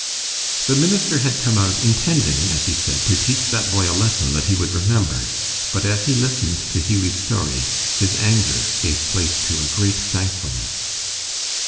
The minister had come out intending, as he said, "to teach that boy a lesson that he would remember," but as he listened to Hughie's story, his anger gave place to a great thankfulness.